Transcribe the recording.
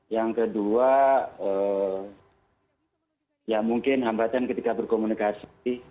yang kedua ya mungkin hambatan ketika berkomunikasi